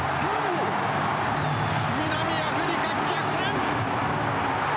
南アフリカ、逆転！